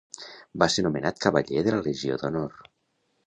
Va ser nomenat Cavaller de la Legió d'Honor.